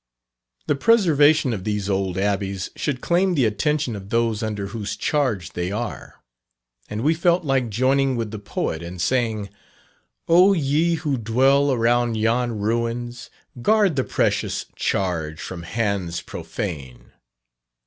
The preservation of these old abbeys should claim the attention of those under whose charge they are, and we felt like joining with the poet and saying: "O ye who dwell Around yon ruins, guard the precious charge From hands profane!